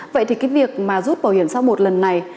vậy thì cái việc mà rút bảo hiểm xã hội lần này